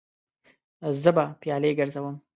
زه به پیالې ګرځوم.